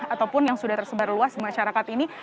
ataupun yang sudah tersebar luas di masyarakat ini